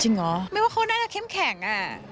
จริงอ๋อไม่ว่าเขาน่าจะข้ีย่มแข็งอ่ะ